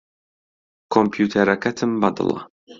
کۆمپیوتەرەکەتم بەدڵە.